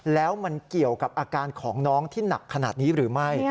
แล้วมันเกี่ยวกับอาการของน้องที่หนักขนาดนี้หรือไม่